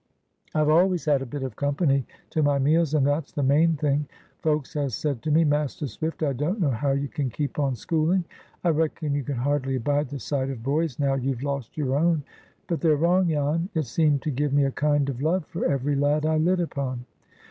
I've always had a bit of company to my meals, and that's the main thing. Folks has said to me, 'Master Swift, I don't know how you can keep on schooling. I reckon you can hardly abide the sight of boys now you've lost your own.' But they're wrong, Jan: it seemed to give me a kind of love for every lad I lit upon.